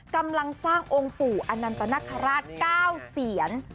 กำลังสร้างองค์ปู่อนันตนคราช๙เสียน